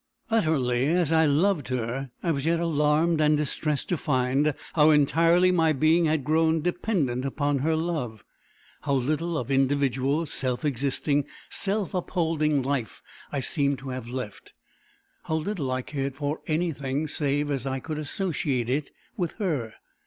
Utterly as I loved her, I was yet alarmed and distressed to find how entirely my being had grown dependent upon her love; how little of individual, self existing, self upholding life, I seemed to have left; how little I cared for anything, save as I could associate it with her.